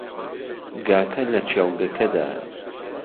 گاکە لە کێڵگەکەدایە.